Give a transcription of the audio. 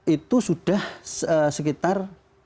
itu sudah sekitar